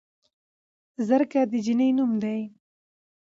زرکه د جينۍ نوم دے